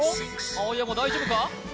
青山大丈夫か？